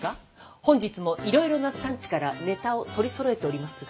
本日もいろいろな産地からネタを取りそろえておりますが。